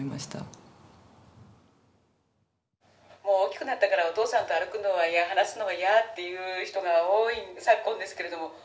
「もう大きくなったからお父さんと歩くのは嫌話すのは嫌っていう人が多い昨今ですけれども」。